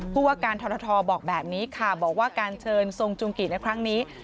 ผู้ว่าการทรทบอกแบบนี้ค่ะบอกว่าการเชิญทรงจุงกิในครั้งนี้